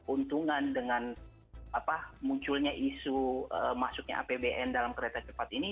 untungan dengan munculnya isu masuknya apbn dalam kereta cepat ini